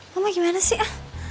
mama gimana sih